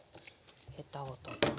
ヘタを取って。